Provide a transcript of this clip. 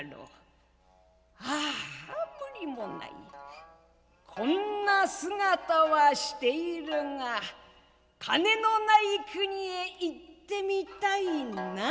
あ無理もないこんな姿はしているが金のない国へ行ってみたいなと思ってる」。